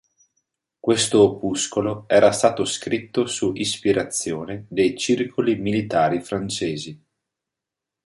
Questo opuscolo era stato scritto su ispirazione dei circoli militari francesi.